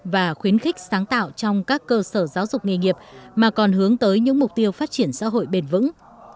và khuyến khích sáng tạo trong các cơ sở giáo dục nghề nghiệp mà còn hướng tới những mục tiêu phát triển xã hội bền vững